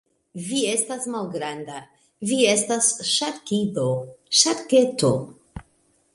Vi estas malgranda. Vi estas ŝarkido. Ŝarketo.